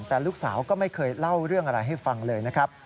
แต่ลูกสาวก็ไม่เคยเล่าเรื่องอะไรให้ฟังเลยนะครับ